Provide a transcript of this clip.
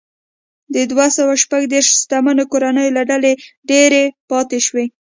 د دوه سوه شپږ دېرش شتمنو کورنیو له ډلې ډېرې پاتې شوې.